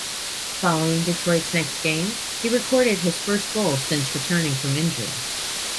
Following Detroit's next game, he recorded his first goal since returning from injury.